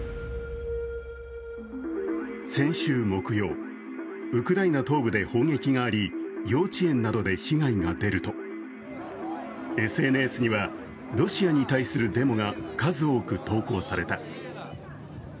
先週木曜、ウクライナ東部で砲撃があり、幼稚園などで被害が出るとＳＮＳにはロシアに対するデモが数多く投稿された。